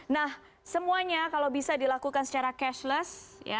nah semuanya kalau bisa dilakukan secara cashless